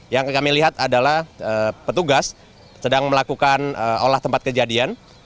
yang kami lihat adalah petugas sedang melakukan olah tempat kejadian